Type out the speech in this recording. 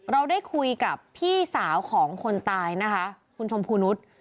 เราได้คุยกับพี่สาวของคนตายนะคะคุณชมพูนุษย์